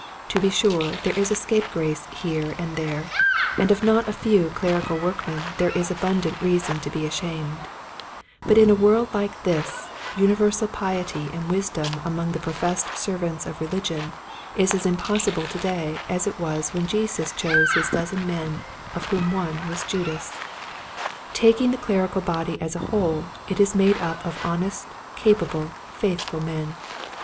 To be sure there is a scapegrace here and there, and of not a few clerical workmen there is abundant reason to be ashamed, but in a world like this, universal piety and wisdom among the professed servants of religion is as im possible to day as it was when Jesus chose his dozen men one of whom was Judas. Taking the clerical body as a whole it is made up of honest, capable, faithful men.